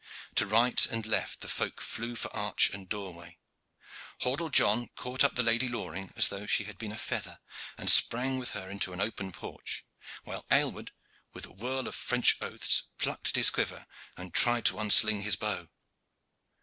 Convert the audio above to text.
To right and left the folk flew for arch and doorway. Hordle John caught up the Lady Loring as though she had been a feather, and sprang with her into an open porch; while Aylward, with a whirl of French oaths, plucked at his quiver and tried to unsling his bow.